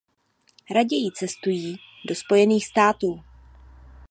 Raději cestují do Spojených států.